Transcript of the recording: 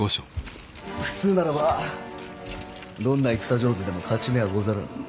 普通ならばどんな戦上手でも勝ち目はござらん。